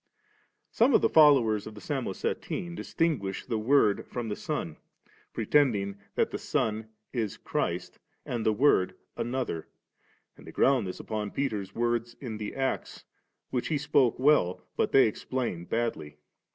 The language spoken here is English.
30. Some of the followers of the Samosatene, distinguishing the Word from the Son, pretend that the Son is Christ, and the Word another ; and they ground this upon Peter's words in the Acts, which he spoke well, but they explain badly*.